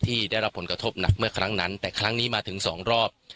ได้รับผลกระทบหนักเมื่อครั้งนั้นแต่ครั้งนี้มาถึงสองรอบ